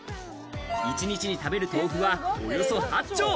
１日に食べる豆腐はおよそ８丁。